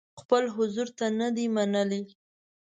خپل حضور ته نه دي منلي.